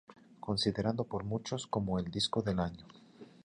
Considerando por muchos como el disco del año.